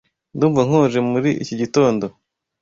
Ndumva nkonje muri iki gitondo.